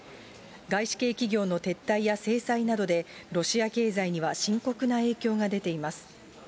外資系企業の撤退や制裁などで、ロシア経済には深刻な影響が出ています。